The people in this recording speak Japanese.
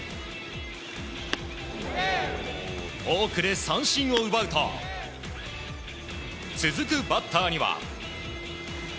フォークで三振を奪うと続くバッターには。